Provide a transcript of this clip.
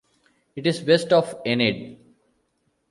It is west of Enid.